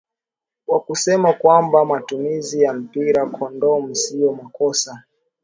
wa kusema kwamba matumizi ya mpira kondom sio makosa